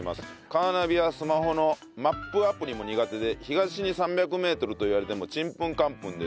カーナビやスマホのマップアプリも苦手で東に３００メートルと言われてもちんぷんかんぷんです。